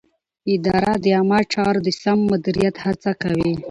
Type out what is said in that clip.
اداره د عامه چارو د سم مدیریت هڅه کوي.